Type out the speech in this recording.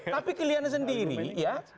tapi kalian sendiri ya